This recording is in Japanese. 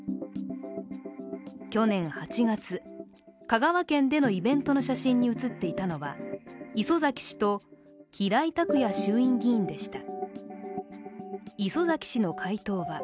去年８月、香川県でのイベントの写真に写っていたのは磯崎氏と平井卓也衆院議員でした。